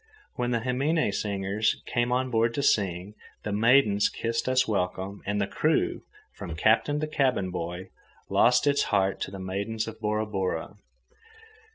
When the himine singers came on board to sing, the maidens kissed us welcome, and the crew, from captain to cabin boy, lost its heart to the maidens of Bora Bora.